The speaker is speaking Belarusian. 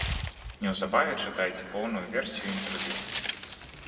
Неўзабаве чытайце поўную версію інтэрв'ю.